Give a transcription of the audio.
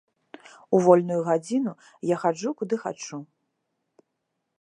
У вольную гадзіну я хаджу куды хачу.